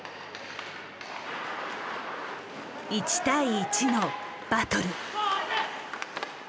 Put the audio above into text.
１対１のバトル。